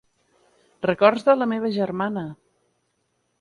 Records de la meva germana.